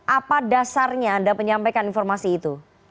apa dasarnya anda menyampaikan informasi itu